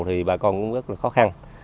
thì bà con cũng rất là khó khăn